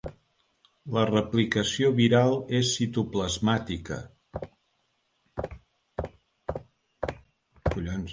La replicació viral és citoplasmàtica.